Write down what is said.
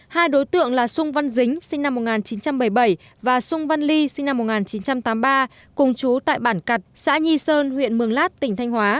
hai đối tượng là sung văn dính sinh năm một nghìn chín trăm bảy mươi bảy và sung văn ly sinh năm một nghìn chín trăm tám mươi ba cùng chú tại bản cặt xã nhi sơn huyện mường lát tỉnh thanh hóa